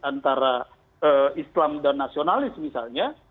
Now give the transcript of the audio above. antara islam dan nasionalis misalnya